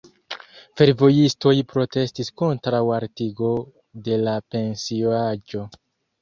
Fervojistoj protestis kontraŭ altigo de la pensio-aĝo.